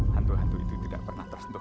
hantu hantu itu tidak pernah tersentuh